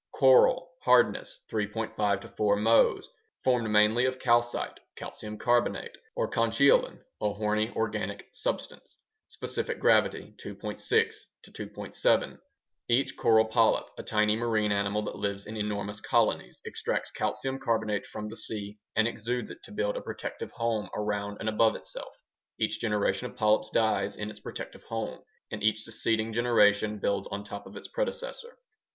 Coral (hardness: 3.5 4 Mohs) Formed mainly of calcite (calcium carbonate) or conchiolin, a horny organic substance Specific gravity: 2.60 2.70 Each coral polyp, a tiny marine animal that lives in enormous colonies, extracts calcium carbonate from the sea and exudes it to build a protective home around and above itself. Each generation of polyps dies in its protective home and each succeeding generation builds on top of its predecessor.